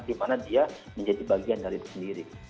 di mana dia menjadi bagian dari itu sendiri